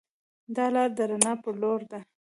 دا لار د رڼا پر لور ده.